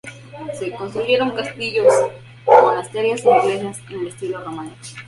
Se construyeron castillos, monasterios e iglesias en estilo Románico.